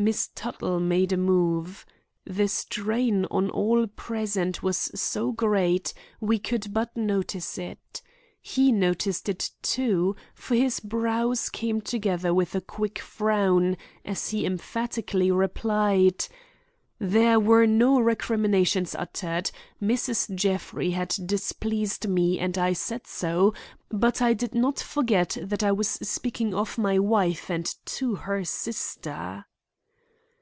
Miss Tuttle made a move. The strain on all present was so great we could but notice it. He noticed it too, for his brows came together with a quick frown, as he emphatically replied: "There were no recriminations uttered. Mrs. Jeffrey had displeased me and I said so, but I did not forget that I was speaking of my wife and to her sister."